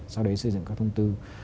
sau đấy xây dựng các thông tư